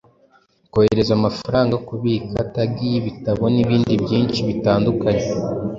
kohereza amafaranga, kubika, tagii yibitabo, nibindi byinhi bitandukanye